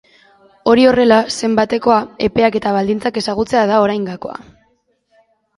Hori horrela, zenbatekoa, epeak eta baldintzak ezagutzea da orain gakoa.